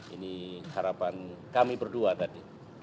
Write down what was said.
ini harapan kami berdua tadi